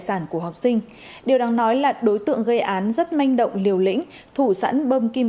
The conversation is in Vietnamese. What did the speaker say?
sản của học sinh điều đáng nói là đối tượng gây án rất manh động liều lĩnh thủ sẵn bơm kim